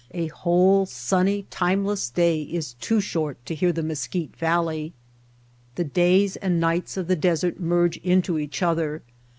A whole sunny, timeless day is too short to hear the Mesquite Valley. The days and nights of the desert merge into each other.